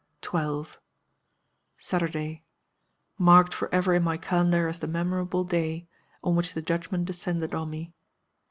12. "Saturday. Marked forever in my calendar as the memorable day on which the judgment descended on me.